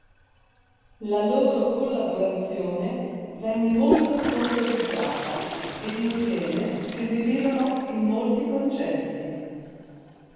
La loro collaborazione venne molto sponsorizzata ed insieme si esibirono in molti concerti.